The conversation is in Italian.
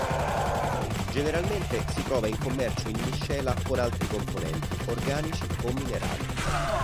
Generalmente si trova in commercio in miscela con altri componenti, organici o minerali.